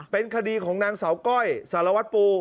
เป็นคดีของนางสาวก้อยสารวัตรปู